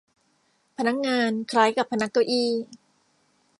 พนักงาน คล้ายกับพนักเก้าอี้